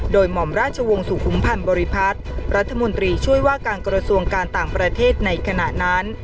โดยหม่อมราชวงศ์สุขุมพันธ์บริพัฒน์รัฐมนตรีช่วยว่าการกระทรวงการต่างประเทศในขณะนั้น